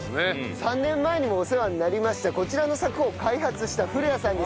３年前にもお世話になりましたこちらの柵を開発した古谷さんです。